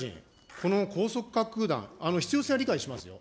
この高速滑空弾、必要性は理解しますよ。